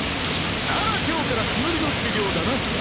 なら今日から忍の修行だな！